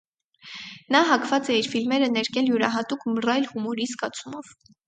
Նա հակված է իր ֆիլմերը ներկել յուրահատուկ մռայլ հումորի զգացումով։